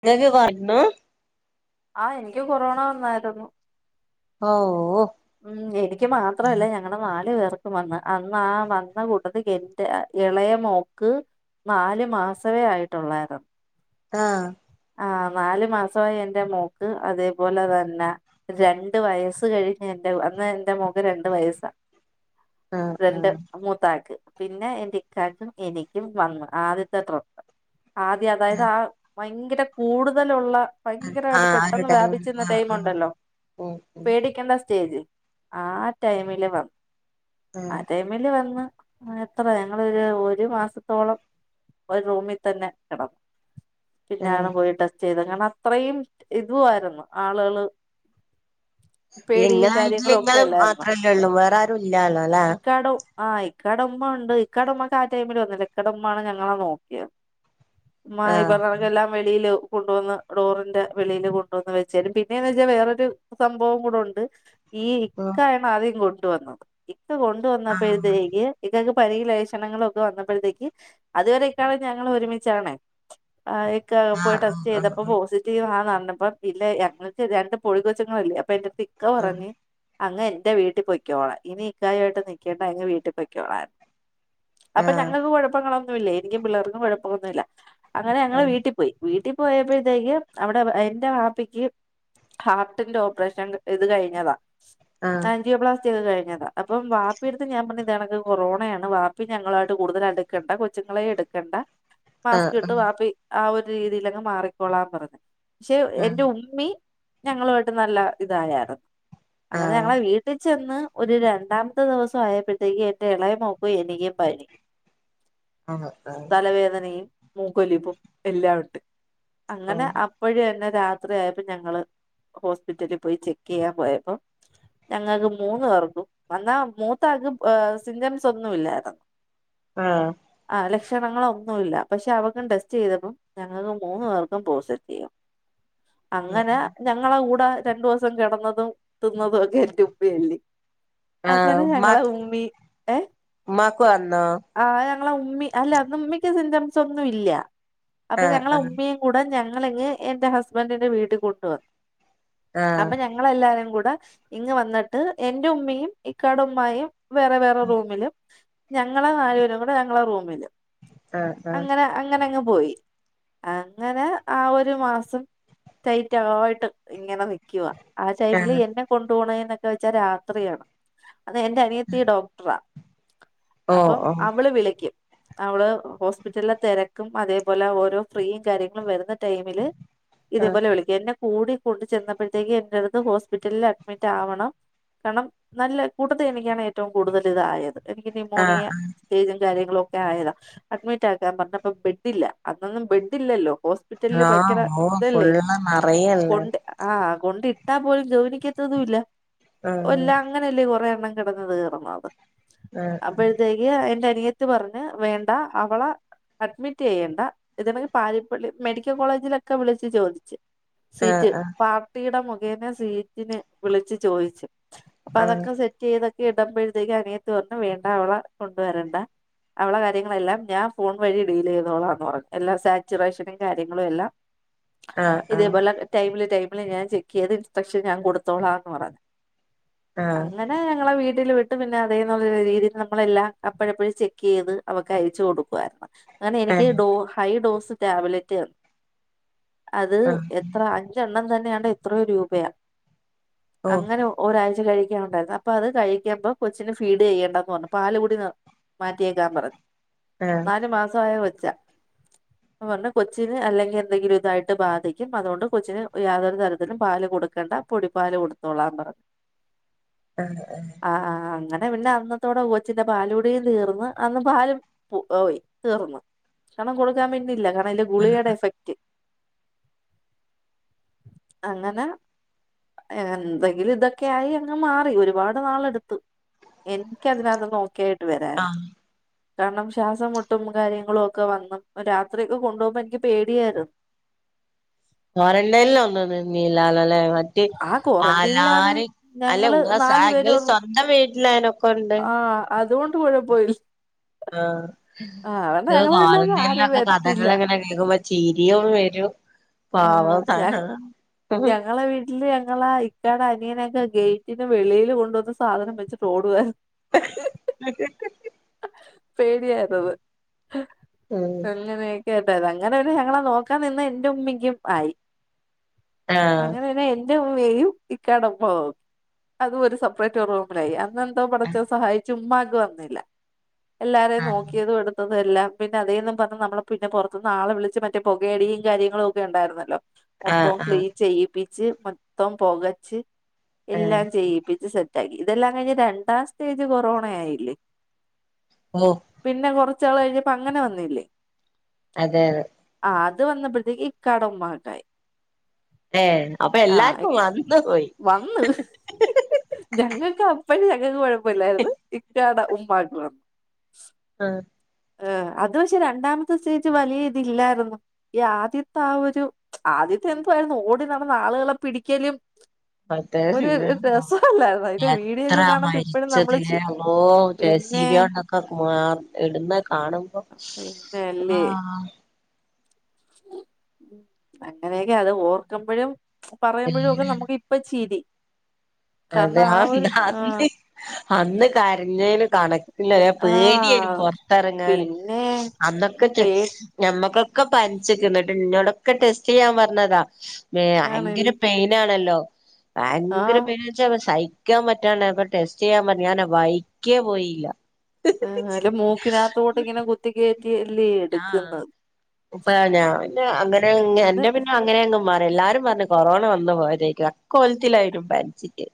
ഇങ്ങക്ക് [unintelligible] ആഹ് എനിക്ക് കൊറോണ വന്നാരുന്നു ഓ ഓ ഉം എനിക്ക് മാത്രല്ല ഞങ്ങടെ നാലു പേ ർക്കും വന്ന് അന്ന് ആ വന്നകൂട്ടത്തി എന്റെ എളയ മോക്ക് നാല്മാസവെ ആയിട്ടൊള്ളാരുന്ന് ആഹ് ആ നാല് മാസവെ എന്റെ മോക്ക് അതേപോലെതന്നെ രണ്ട് വയസ്സ് കഴിഞ്ഞ് എന്റെ അന്ന് എന്റെ മോക്ക് രണ്ട് വയസ്സാ ആഹ് രണ്ട് ആഹ് മൂത്താക്ക് പിന്നെ എന്റെ ഇക്കാക്കും എനിക്കും വന്ന് ആദ്യത്തെ ട്രിപ്പ് ആദ്യ ആഹ് അതായത് ആഹ് ആ ഭയങ്കരം കൂടുതലൊള്ള ആ ഭയങ്കരായിട്ട് ഒരു പെട്ടെന്ന് ടൈം വ്യാപിച്ച്ന്ന ആഹ് ആഹ് ടൈമുണ്ടല്ലോ ഉം ഉം പേടിക്കണ്ട സ സ്റ്റേജ് ആ ടൈമില് വന്ന് ആ ആഹ് ടൈമില് വന്ന് എത്ര ഞങ്ങളൊര് ഒരു മാസത്തോളം ഒരു റൂമിതന്നെ കെടന്നു ആഹ് ടെസ്റ്റെയ്‌ത് കാരണം അത്രയും ഇതുവായിര്ന്ന് ആളുകള് പേടിയും ഇങ്ങളായിട്ട്ല് കാര്യങ്ങളും ഒക്കെ ഇങ്ങളും അല്ലായിരുന്നോ മാത്രല്ലേ ഉള്ളൂ വേറാരും ഇല്ലാലോലെ ആഹ് ഇക്കടുമ്മ ഒണ്ട് ഇക്കടുമ്മക്ക് ആ ടൈമില് വന്നില്ല ഇക്കടുമ്മാണ് ഞങ്ങളെ നോക്കിയത് ഉമ്മ ഈ ആഹ് പറഞൊർക്കെല്ലാം ഇലു കൊണ്ട് വന്ന് ഡോറിന്റെ വെളിയില് കൊണ്ടോന്ന് വെച്ചരും പിന്നെന്ന് വെച്ചാൽ വേറൊരു സംഭവം കൂടുണ്ട് ഈ ഉം ഇക്കയാണ് ആദ്യം കൊണ്ട് ട്ടുവന്നു. ഇത്ത ആഹ് കൊണ്ടുവന്നപ്പഴക്കേക്ക് ഇത്തയ്ക്കു പരി ലേഷണങ്ങളൊക്കെ വന്നപ്പോഴത്തേക്ക് അതുവരെക്കാളും ഞങ്ങൾ ഒരുമിച്ചാണ്. പോയി ആഹ് ടെസ്റ്റ് ചെയ്തപ്പോ ആഹ് പോസിറ്റീവ് ആന് പ്പ ഇല്ല ഞ രണ്ട് പൊടി കൊച്ചങ്ങളുംഅല്ലെ അപ്പൊ എന്റെ ഇക്ക ആഹ് പറഞ് അങ് എന്റെ വീട്ടിൽ പൊയ്ക്കോളാൻ. ഇനി ഇക്കായു മായിട്ട് നൽക്കേണ്ട അങ്ങ് വീട്ടിൽ പൊയ്ക്കോളാൻ. അപ്പൊ ആഹ് ഞങ്ങക്ക് കുഴപ്പങ്ങള എനിക്കും പിള്ളേർക്കും കുഴപ്പമൊന്നുമില്ല. അങ്ങനെ ഞങ്ങള വീട്ടിൽ വീട്ടിൽ പോയപ്പോഴത്തേക്ക് അവിടെ എന്റെ വാപ്പിക്ക് ഹാർട്ടിന്റെ ഓപ്പറേഷൻ ഇത് കഴിഞ്ഞതാ. ആഹ് ആന്റിയോപ്ലാസ്റ്റ കഴിഞ്ഞതാണ്. അപ്പം വാപ്പ എടുത്ത് ഞാൻ പറഞ്ഞു ഇതേ ത് കൊറോണയാണ് വാപ്പി ഞങ്ങളുമായിട്ട് കൂടുതൽ അടുക്കണ്ട. കൊച്ചുങ്ങളെയും എടുക്കണ്ട ആഹ് ആഹ് ആഹ് മാസ്ക് ഇട്ട് വാപ്പി ആ ഒരു രീതിയിലങ് മാറിക്കൊളാൻ പറഞ്ഞു. പക്ഷെ എന്റെ ഉമ്മി ഞങ്ങളുമായിട്ട് നല്ല ഇതായായിരുന്നു. ആഹ് അങ്ങനെ ഞങ്ങളെ ആഹ് വീട്ടിൽ ചെന്ന് ഒരു രണ്ടാമത്തെ ദിവസം ആയപ്പോഴത്തേക്ക് എന്റെ ഇളയ മോക്കും എനിക്കും പനി ആഹ് ആഹ് തലവേദനയും മൂക്കൊലിപ്പും, എല്ലാഉണ്ട്. അങ്ങനെ അപ്പഴ്എന്നെ രാത്രിയപ്പോ ഞങ്ങള് ഹോസ്പിറ്റലിൽ പോയി ചെക്ക് ചെയ്യാൻ പോയപ്പോ ഞങ്ങൾക്ക് മൂന്ന് പേർക്കും വന്നാ മൂത്താ ആൾക്ക് സിൻഡംസ് ഒന്നും ഇല്ലായിരുന്നു. ആ ആ ലക്ഷണങ്ങളൊന്നുമില്ല. പക്ഷെ അവക്കും ടെസ്റ്റ് ചെയ്തപ്പം ഞങ്ങൾക്ക് മൂന്ന്പേർക്കും പോസിറ്റീവ്. അങ്ങനെ ഞങ്ങടെ കൂടെ കൂടെ രണ്ടു ദിവസം കിടന്നതും തിന്നതും ഒക്കെ എന്റെ ഉമ്മിയല്ലേ. ആ ഉമ്മാക്ക് ഏഹ് ഉമ്മാക്ക് വന്നോ നമ്മള ഉമ്മി അല്ല ഉമ്മിക്ക് സിമ്റ്റംസ് ഒന്നും ഇല്ല അപ്പൊ ആഹ് ഞങ്ങള ആഹ് ഉമ്മയും കൂടെ ഞങ്ങ ഞങ്ങളങ്ങ് എന്റെ ഹസ്ബന്റിന്റെ വീട്ടിൽ കൊണ്ട്‌ വന്നു ആഹ് അപ്പൊ ഞങ്ങളെല്ലാരും കൂ ന്ന് ഇങ്ങ് വന്നിട്ട് എന്റെ ഉമ്മയും ഇക്കാടെ ഉമ്മായും വേറെ വേറെ റൂമില് ഞങ്ങളെ നാലുപേരും കൂടെ ഞങ്ങളെ റൂമിലും ആഹ് ആഹ് അങ്ങനെ അങ്ങനങ്ങ് പോയി അങ്ങനെ ആ ഒരു മാസം ടൈറ്റായിട്ട് ഇങ്ങനെ നി ക്കുവാ ആ ടൈമില് ആഹ് എന്നെ കൊണ്ടു പോണെ നൊക്കെ വെച്ചാ രാത്രിയാണ് അത് എന്റെ അനിയത്തി ഡോക്ടറാ ഓ അപ്പം ഓ അവള് വിളിക്കും അവള് ഹോസ്പിറ്റലിലെ തിരക്കും അതേ പോലെ ഓരോ ഫ്രീയും കാര്യങ്ങളും വരുന്ന ടൈമില് ആഹ് ഇതേപോലെ വിളിക്കും എന്നെ കൂടിക്കൊണ്ട് ചെന്നപ്പോഴത്തേക്ക് എന്റടുത്ത് ഹോസ്പിറ്റലിൽ അഡ്മിറ്റ് ആവണം കാരണം നല്ല കൂട്ടത്തി എനിക്കാണ് ഏറ്റവും കൂടുതൽ ഇതായത് എനിക്ക് ന്യുമോണിയ ആഹ് സ്റ്റേജും കാര്യങ്ങളൊ ആതായതാ അഡ്മിറ്റ് ആക്കാൻ പറഞ്ഞപ്പം ബെ ഡില്ല അന്നൊന്നും ബെഡ് ഇല്ലല്ലോ ആ ഓ ഫുൾ നിറയല്ലേ കൊണ്ട് ആ കൊണ്ടിട്ടാ പോലും ഗൗനിക്കത്തതും ഇല്ല ഇല്ല ആഹ് അങ്ങനെയല്ലേ കൊറേയെ രണം കിടന്ന് കീറുന്നത് ആഹ് അപ്പഴത്തേക്ക് എന്റെ അൻ ത്തി പറഞ്ഞ് വേണ്ട അവളെ അഡ്മിറ്റ് റ്റ് ചെയ്യേണ്ട ഇത് കണക്ക് പാരിപ്പള്ളി മെഡിക്കൽ കോളേജിലൊക്കെ വിളിച്ച് ചോദിച്ച് സീറ്റ് ആഹ് പാർട്ടിയുടെ മു നെ സീറ്റിന് വിളിച്ച് ചോദിച്ച് അപ്പൊ ആഹ് അതൊക്കെ സെറ്റ് ചെയ്ത ഇടുമ്പഴത്തേക്ക് അനിയത്തി പറഞ്ഞ് വേണ്ട അവളെ കൊണ്ടുവരണ്ട അവള കാര്യങ്ങളെല്ലാം ഞാൻ ഫോൺ വഴി ഡീൽ ചെയ് തോളാന്ന് പറഞ്ഞ് എല്ലാ സാച്ചുറേഷനും കാര്യങ്ങളും എല്ലാം ആഹ് ആഹ് ആഹ് ഇതേപോലെ ടൈമില് ടൈം വളെ ഞാൻ ചെക്ക് ചെയ്ത് ഇൻസ്ട്രക്ഷൻ ഞാൻ കൊടുത്തോളാന്ന് പറഞ്ഞ് ആഹ് അങ്ങനെ ഞങ്ങളെ വീട്ടില് വി ട്ട് പിന്നെ അതേന്നൊള്ള രീതിയിൽ നമ്മളെല്ലാം അപ്പഴപ്പഴ് ചെക്ക് ചെയ്ത് അവക്ക് അയച്ചു കൊടുക്കുവാരുന്ന് അങ്ങനെ ഏഹ് ഡോ ഹൈ ഡോസ് രാവിലത്ത അത് ആഹ് എത്ര അഞ്ചെണ്ണം തന്നെ വേണ്ട എത്രയ രൂപയാ ഓഹ് അങ്ങനെ ഒരാഴ്ച കഴ ണ്ടായി അപ്പൊ അത് കഴിക്ക്പ കൊച്ചിന് ഫീഡ് ചെയ്യണ്ടന്ന് പറഞ്ഞു പാല കൂടി മാറ്റിയേക്കാൻ പറഞ്ഞു ആഹ് നല് മാസ ആയ വച്ച അ പറ കൊച്ചിന് അല്ലെങ്കിൽ എന്തെങ്കിലും ഇതായിട്ട് ബാധിക്കും അതുകൊണ്ട് കൊച്ചിന് യാതൊരു തരത്തിലും പാല് കൊടുക്കണ്ട പൊടി പാല് കൊടുത്തോളാംന്ന് പറഞ്ഞു ആഹ് ആഹ അങ്ങന പിെ പിന്നെ അന്നത്തോടെ കൊച്ചിന്റെ പാലൂടെയും തീർന്ന് അന്ന് പാലും ഓയി തീർന്ന് ക്ഷണം കൊക്കാൻ പറ്റുന്നില്ല തിന്റെ ഗുളികയുടെ എഫക്റ്റ് അങ്ങനെ എന്തെങ്കിലും ഇതൊക്കെയ ആായി അങ്ങ് മാറി ഒരുപാട് നാള എടുത്തു എനിക്കതിനകത്ത് നോക്കിയായിട്ട് വരാന് ആഹ് കാരണം ശ്വാസംമൊട്ടും കാര്യങ്ങളും ഒക്കെ ഒക്കെ വന്ന രാത്രിയൊക്കെ കൊണ്ടുപോകുമ്പോ എനിക്ക് പേടിയായിരുന്നു കൊറന്റൈൽ ഒന്നും നിന്നില്ലല്ലോ ലേ മറ്റേ ആ എല്ലാരും അല്ല ഞങ്ങള് ഉ നാലു എങ്ങള് പേരും സ്വന്തം വീട്ടിലായനൊക്കെ ഉണ്ട് പോടെ പോയിൽ ആഹ ഇത് വീട്ടിലൊന്നും ആരും ക്വാറന്റൈനിലൊക്കെ കഥകൾ വരത്തില്ല എങ്ങനെ കേൾക്കുമ്പോ ചിരിയും വരും പാവം ആഞ ഞങ്ങളെ വീട്ടില് ഞങ്ങള ഇക്കാട അനിയന എ ഗേറ്റിന്റെ വെളിയിൽ കൊണ്ടുവന്ന് സാനം വെച്ചിട്ട് ോഡുക പേടിയായിത് ഉം തങ്ങതേ കേട്ടെ അങ്ങനെ ഞങ്ങളെ നോക്കാൻ നിന്ന് എന്റെ ഉമ്മക്ക് ും ആയി ആഹ് അങ്ങനെന്നെ യും ഈ കടമ്പക്ക അത സെപ്പറേറ്റ് റൂമിലായി അ ടച്ച സഹായിച്ചു [unintelligible] വന്നില്ല എല്ലാരെയും ആഹ് നോക്കിയതും എടുത്ത അതല്ല പിന്നെ അതേന്നും പറഞ്ഞ നമ്മള് പിന്നെ പൊറത്തന്നാളെ വിളിച്ച് മറ്റേ പുകേടിയും കാര്യങ്ങളും ക്കെ ഉണ്ടായിരുന്നല്ലോ ആഹ് മൊത്തം ആഹ് ക്ലീൻ ചെയ്യി ച്ച് മൊത്തം പൊകച്ച് ആഹ് എല്ലാം ചെയ്യിപ്പിച്ച് സെ ഇതെല്ലാം കഴിഞ്ഞ് രണ്ടാം സ്റ്റേജ് കൊറോണയായില്ലേ ഓഹ് പിന്നെ കൊറ ച്ച് ള് കഴിഞ്ഞപ്പോ അങ്ങനെ വന്നില്ലേ അതെ അതെ ആ അത് വന്നപ്പോഴത്തേക്ക് കടമ്മാട്ടായി ഏ അപ്പൊ എല്ലാർക്കും വന്ന് പോയി [unintelligible] പ്പ ല്ലായിര്ന്ന് ഇക്കാടെ [inaudible] ആ ഏ അത് പക്ഷെ രണ്ടാമത്തെ സ്റ്റേജ് വലിയ ഇതില്ലായിരുന്നു ഈ ആദ്യത്തെ ആ ഒരു ആദ്യത്തെ എന്തുവായിരുന്നു ഓടി നടന്ന ആളുകളെ പിടിക്കലും ഒരു [unintelligible] രസല്ലായിരുന്നോ അതിന്റെ വീഡിയോ എത്ര ഒക്കെ കാണുമ്പോ ഇപ്പഴും നമ്മള് മരിച്ചതിലേ ചി പിന്നെ ജേസീബിയോണ്ടൊക്കെ ഇടുന്ന കാണുമ്പോ ആ പിന്നല്ലേ അങ്ങനെയൊക്കെ അത് ഓർക്കുമ്പഴും പറയുമ്പോഴൊക്കെ പേടിയാണ് നമുക്ക് ഇപ്പ ചിരി കാരണം അതെ ആ ഒരു ആഹ് അന്ന് അന്ന് കരഞ്ഞേന് കണക് ഇല്ല പേടിയേനു ആഹ് പൊറത്തെറങ്ങാന് പിന്നെ അന്നൊക്കെ പേടി ഞമ്മക്ക് ക്കെ പന്ച്ച്ക്ക്ണ് ന്ന് ട്ട് ഇന്നോടൊക്കെ ടെസ്റ്റ് ചെയ്യാൻ പറഞ്ഞതാ മേ ഭയങ്കര ആണല്ലേ പെയിനാണല്ലോ [inaudible] ഭയങ്കര ആഹ് പെയിനാ പക്ഷ സഹിക്കാൻ പറ്റാണ്ടായപ്പൊ ടെസ്റ്റ് ചെയ്യാൻ പറഞ്ഞ് ഞാൻ വൈക്കേ പോയില്ല അല്ല മൂക്കിനകത്തോട്ട് ഇങ്ങനെ കുത്തി കയറ്റിയല്ലേ ആ എടുക്കുന്നത് ഇപ്പ ഞാൻ അങ്ങനെ അത് എന്റെ പിന്നെ അങ്ങനെ അങ്ങ് മാറി എല്ലാരും പറഞ്ഞ് കൊറോണ വന്നു പോയതേരിക്കും അക്കോലത്തിലായിന്നു പനിച്ചിട്ട്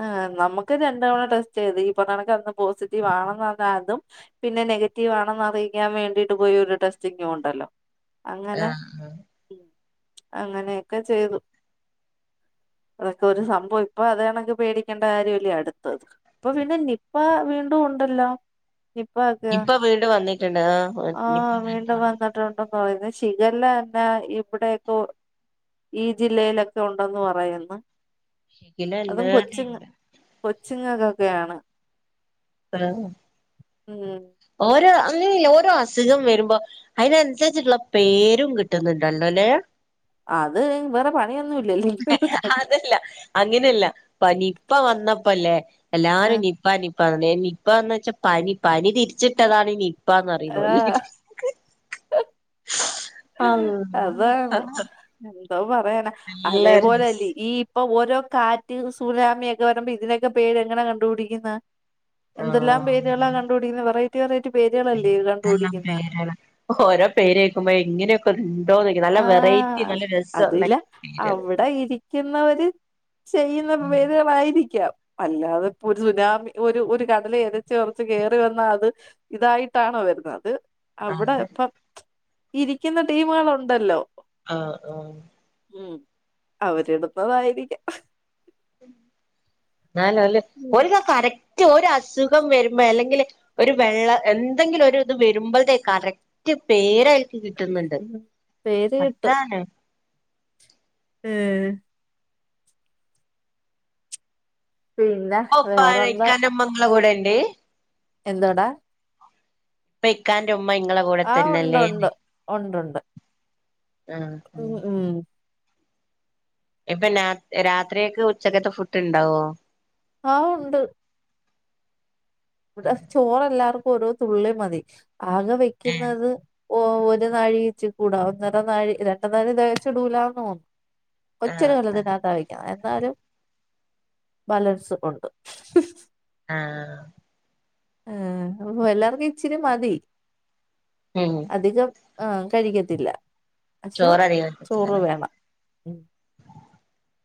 അ നമുക്ക് രണ്ട് തവണ ടെസ്റ്റ് ചെയ്ത് ഇപറഞ്ഞ പോണ്ക് അന്ന് പോസിറ്റീവ് ആണെന്നഞ്ഞാൽ അതും പിന്നെ നെഗറ്റീവ് ആണെന്ന് അറിയിക്കാൻ വേണ്ടിട്ട് പോയി ഒരു ടെസ്റ്റിങ്ങും ഉണ്ടല്ലോ ആ അങ്ങനെ അങ്ങനെയൊക്കെ ചെയ്തു അതൊരു സംഭവ അപ്പ അതേ കണക്ക് പേടിക്കേണ്ട കാര്യല്ലേ അടുത്തത് പ്പൊ പിന്നെ നിപ്പാ വീണ്ടും ഉണ്ടല്ലോ നിപ്പ ഒക്കെ ഇപ്പൊ വീണ്ടും വന്നിട്ടുണ്ട് ആ ഇപ്പൊ വീണ്ടും വന്നിട്ടണ്ട് ഇപ്പോ ല്ല ശിഖല്ല ഒക്കെയ ഇവിടൊക്കെ ഒ ഈ ജില്ലയിലൊക്കെ ഉണ്ടന്ന് പറയുന്നു ശിക്കിലല്ല ഇല്ല കൊച്ചുങ്ങക്കൊക്കെയാണ് ഉം ഓര് ആ ഈ ഓരോ അസുഖം വരുമ്പോ അതിനനുസരിച്ചിട്ടുള്ള പേരും കിട്ടുന്നുണ്ടല്ലോ അല്ലെ അത് വേറെ പ അതല്ല അങ്ങനെയല്ല പനിപ്പ വന്നപ്പോല്ലേ എല്ലാരും ആഹ് നിപ്പ നി പനി നിപ്പന്ന് വെച്ചാ പനി പനി തിരിച്ചിട്ടതാണ് ഈ നി പ്പാന്ന്റിയുന്നു [unintelligible] അള്ളാ ഹ് സൗവ ണ്ട അതേപോലല്ലേ ഈ ഇപ്പൊ ഓരോ കാറ്റ് സുനാമിയൊക്കെ വരുമ്പോ ഇതിനൊക്കെ പേര് എങ്ങനാ കണ്ടു പിടിക്കുന്നത് എന്തെല്ലാം പേരുകളാ കണ്ടുപിടിക്കുന്ന വെറ തിയ റേറ്റ് പേരുകളല്ലേ ല്ല പേരുകള ഓരോ പേര് കേക്കുമ്പോ എങ്ങനെയൊക്കെ ആ അതില്ല പേരുകള് അവിടെ ഇരിക്കുന്നവര് ചെയ്യുന്ന പേരുകളായിരിക്കാം അല്ലാതെ ഇപ്പോ ഒരു സുനാമി ഒരു ഒരു കടല എരച്ച് പറച്ച് കയറി വന്ന അത് ഇതായിട്ടാണോ വരുന്നത് അവിടെ അതെ ഇപ്പൊ ഇരിക്കുന്ന ടീമുകളുണ്ട് ഉണ്ടല്ലോ ആ ആ ഉം അവരിടുന്നതായിരിക്കാം നല്ലല്ലേ ഉം [unintelligible] കറക്റ്റ് ഒരാ അസുഖം വരുമ്പോ അല്ലെങ്കിൽ ഒരു വെള്ള എന്തെങ്കിലും ഒരു ഇത് വരുമ്പോഴത്തെേ കറക്റ്റ് പേര കിട്ടുന്നുണ്ട് ഉം പേര് അതാണ് ഉം പിന്നെ വേറെന്താ ഓപ്പക്കാനമ്മങ്ങളെ കൂടെ ണ്ട് എന്തോടാ വെക്കാ ആ ഉണ്ട് ഉണ്ട് ഉണ്ട് ഉണ്ട് ആ ഇപ്പോ രാത്രിയൊക്കെ ഉച്ചക്കത്തെ ഫുഡ് ഉണ്ടാവോ ആ ഉണ്ട് ഇവിടെ എല്ലാർക്കും ഓരോ തുള്ളി മതി ആകെ ഏഹ് വെക്കുന്നത് ഓ ഒരു നാഴി വച്ച കൂടാ ഒന്നര നാഴി രണ്ട് നാഴി കച്ചിടുൂലാന്ന് തോന്നു ആഹ് ആഹ് [unintelligible] എന്നാലും ബാലൻസ് കൊണ്ടു ആ ആ അപ്പൊ എല്ലാർക്കും ഇച്ചിരി മതി ഉം അധികം ആ കഴിക്കത്തില്ല പക്ഷെ ചോറ [unintelligible] ചോറ് [unintelligible]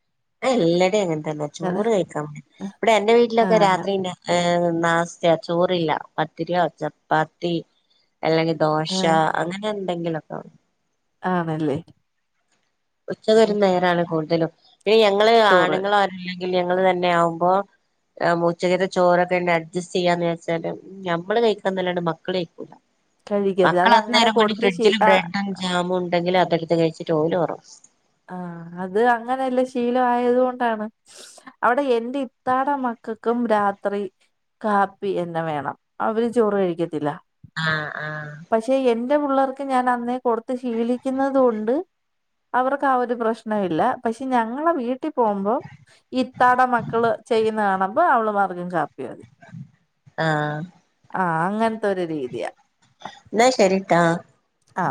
[unintelligible] ന്നെ അതെ ചോറ് കഴിക്കാൻ ഇവിടെ എന്റെ വീട്ടിലൊക്കെ ആഹ് അങ്ങനെ രാത്രി തിന്നാൻ നാസ്തയാ ചോറില്ല പത്തിരിയോ ചപ്പാത്തി അല്ലെങ്കിൽ ദോശ ആഹ് അങ്ങനെയൊ ന്തെങ്കിലൊക്കെ ആണല്ലേ ഉച്ച ഉം വരും നേരാണ് കൂട്ടിലും ഞങ്ങള് ചോറ് ആണുങ്ങൾ ആരുമില്ലെങ്ക ഞങ്ങൾ തന്നെയാകുമ്പോൾ ഉച്ചക്കത്തെ ചോറ് തന്നെ അഡ്ജസ്റ്റ് ചെയ്യാന്ന് വിചാരിച്ചാലും നമ്മള് കഴിക്കേണ്ട അല്ലാതെ മക്കൾ കഴിക്കൂല കഴിക്കത്തില്ല മക്കൾ അതങ്ങനെ അന്നേരം കൊണ്ട് കൊടുത്ത് ശീ ഫ്രിഡ്ജിൽ ആഹ് ബ്രഡും ജാം ഉണ്ടെങ്കിൽ അ എടുത്ത കഴിച്ചിട്ട് ഓര് ഒറങ്ങും [unintelligible] ആ അത് അങ്ങനെ ശീലം ആയതുകൊണ്ടാണ് അവിടെ എന്റെ ഇത്താടെ മക്കൾക്കും രാത്രി കാപ്പി തന്നെ വേണം. അവര് ചോറ് കഴിക്കത്തില്ല ആ ആ പക്ഷെ എന്റെ പിള്ളേർക്ക് ഞാൻ അന്നേ കൊടുത്ത ശീലിക്കുന്നത് കൊണ്ട് അവർക്ക് ക്ക അവര് പ്രശ്നമില്ല ഞങ്ങടെ വീട്ടിൽ പോകുമ്പോൾ ഇത്താടെ മക്കൾ ചെയ്യുന്നത് കാണുമ്പോൾ അവർക്കും കാപ്പി മതി ആ ആ അങ്ങനത്തെ ഒരു രീതിയാ എന്നാ ശരിട്ടാ ആ